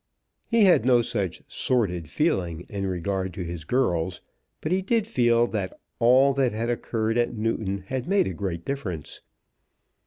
He had no such sordid feeling in regard to his girls. But he did feel that all that had occurred at Newton had made a great difference.